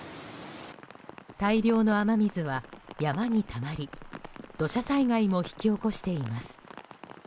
大量の雨水は、山にたまり土砂災害も引き起こしています。